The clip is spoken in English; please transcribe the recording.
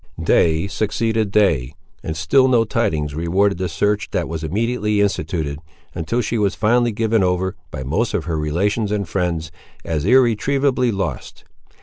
Day succeeded day, and still no tidings rewarded the search that was immediately instituted, until she was finally given over, by most of her relations and friends, as irretrievably lost.